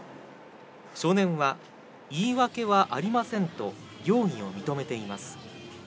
少年は、言い訳はありませんと、容疑を認めています。